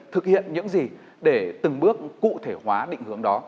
thực hiện những gì để từng bước cụ thể hóa định hướng đó